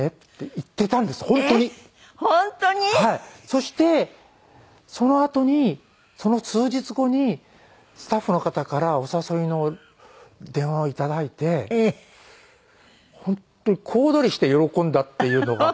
そしてそのあとにその数日後にスタッフの方からお誘いの電話を頂いて本当に小躍りして喜んだっていうのが。